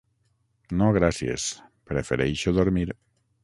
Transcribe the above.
No, gràcies: prefereixo dormir.